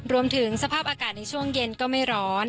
สภาพอากาศในช่วงเย็นก็ไม่ร้อน